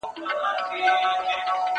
زه اوس چپنه پاکوم